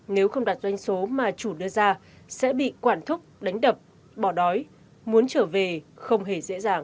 nếu không đặt doanh số mà chủ đưa ra sẽ bị quản thúc đánh đập bỏ đói muốn trở về không hề dễ dàng